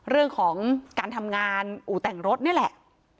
เรื่องของการทำงานอู่แต่งรถนี่แหละ